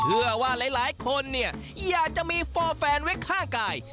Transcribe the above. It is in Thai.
เพื่อว่าหลายคนเนี่ยอยากจะมีฟอร์แฟนไว้ข้างกาย